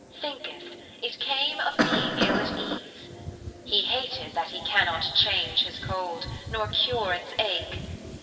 30 'Thinketh, it came of being ill at ease: He hated that He cannot change His cold, Nor cure its ache.